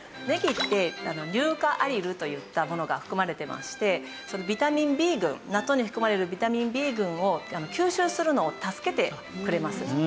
ねぎって硫化アリルといったものが含まれてましてビタミンＢ群納豆に含まれるビタミンＢ群を吸収するのを助けてくれます。